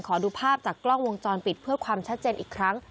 ขอดูภาพจากกล้องวงจรปิดเพื่อความชัดเจนอีกครั้ง